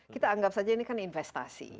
kita anggap saja ini kan investasi